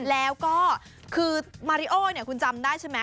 แล้วก็คือมาริโอเนี่ยคุณจำได้ใช่ไหม